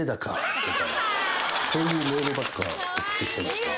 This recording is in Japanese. そういうメールばっか送ってきてました。